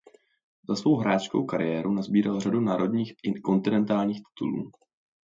Za svou hráčskou kariéru nasbíral řadu národních i kontinentálních titulů.